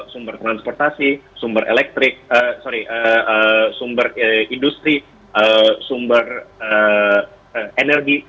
sumber transportasi sumber industri sumber energi